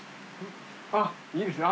あっいいですね。